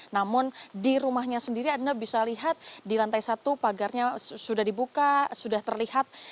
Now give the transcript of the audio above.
namun di rumahnya sendiri anda bisa lihat di lantai satu pagarnya sudah dibuka sudah terlihat